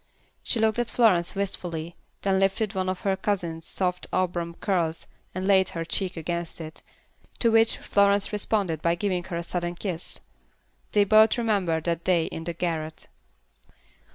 She looked at Florence wistfully, then lifted one of her cousin's soft auburn curls, and laid her cheek against it; to which Florence responded by giving her a sudden kiss. They both remembered that day in the garret.